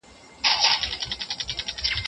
د دغي ودانۍ په سر کي د مننې یو سپین بیرغ پورته سو.